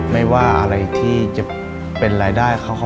ไม่ว่าอะไรที่จะเป็นรายได้เขา